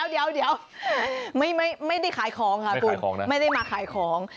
เดี๋ยวไม่ได้ขายของค่ะคุณไม่ได้มาขายของ